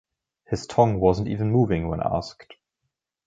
His tongue wasn’t even moving when asked.